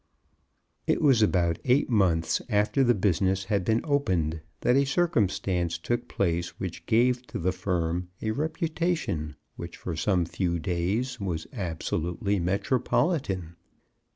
It was about eight months after the business had been opened that a circumstance took place which gave to the firm a reputation which for some few days was absolutely metropolitan.